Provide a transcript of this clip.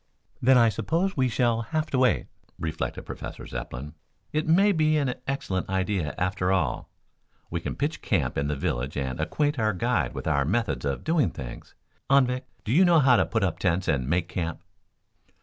"Then I suppose we shall have to wait," reflected Professor Zepplin. "It may be an excellent idea after all. We can pitch camp in the village and acquaint our guide with our methods of doing things, Anvik, do you know how to put up tents and make camp?"